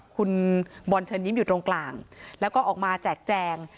คุณบอลเชิญยิ้มอยู่ตรงกลางแล้วก็ออกมาแจกแจง